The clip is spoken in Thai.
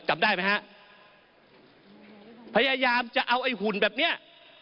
จำได้ไหมฮะพยายามจะเอาไอ้หุ่นแบบเนี้ย